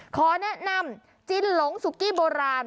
ขอแนะนำจินหลงสุกี้โบราณ